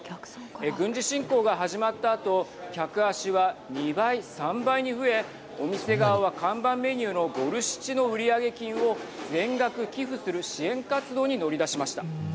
軍事侵攻が始まったあと客足は２倍、３倍に増えお店側は看板メニューのボルシチの売り上げ金を全額寄付する支援活動に乗り出しました。